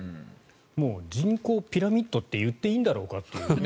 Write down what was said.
もう人口ピラミッドと言っていいんだろうかと。